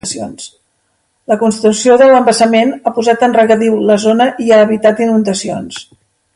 La construcció de l'embassament ha posat en regadiu la zona i ha evitat inundacions.